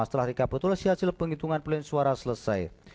setelah rekapitulasi hasil penghitungan pelian suara selesai